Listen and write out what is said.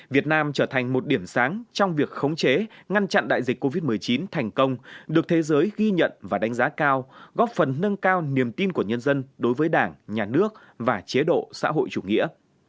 việt nam trở thành một điểm sáng trong việc khống chế ngăn chặn đại dịch covid một mươi chín thành công được thế giới ghi nhận và đánh giá cao góp phần nâng cao niềm tin của nhân dân đối với đảng nhà nước và chế độ xã hội chủ nghĩa